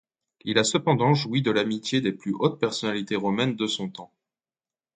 Il a cependant joui de l'amitié des plus hautes personnalités romaines de son temps.